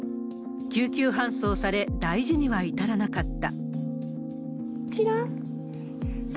救急搬送され、大事には至らなかった。